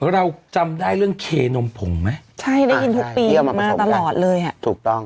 เราจำได้เรื่องเคนมผงไหมใช่ได้ยินทุกปีมาตลอดเลยอ่ะถูกต้อง